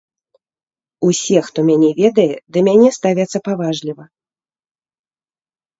Усе, хто мяне ведае, да мяне ставяцца паважліва.